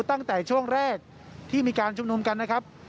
ตั้งแต่ช่วงแรกที่มีการชุมนุมกันนะครับ